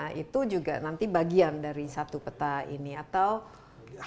nah itu juga nanti bagian dari satu peta ini atau bagaimana